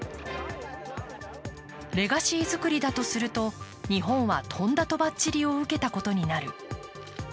レガシー作りだとすると日本はとんだとばっちりを受けたことになる。